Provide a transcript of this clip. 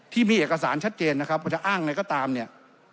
ที่มีเอกสารชัดเจนนะครับว่าจะอ้างอะไรก็ตามเนี่ย